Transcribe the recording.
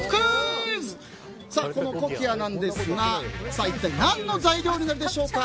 このコキアなんですが一体何の材料になるでしょうか。